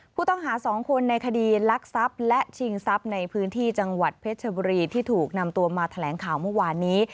ผู้ต้องหา๒คนในคดีลักทรัพย์และชิงทรัพย์ในพื้นที่จังหวัดเพชรบุรีที่ถูกนำตัวมาแถลงข่าวเมื่อวานนี้